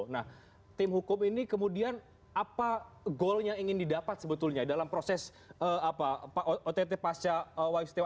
nah tim hukum ini kemudian apa goal yang ingin didapat sebetulnya dalam proses ott pasca waistiwa